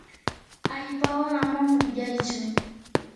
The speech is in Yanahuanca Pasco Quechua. allpawan ama pukllaychu.